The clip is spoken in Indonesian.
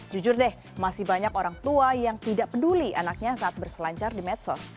jujur deh masih banyak orang tua yang tidak peduli anaknya saat berselancar di medsos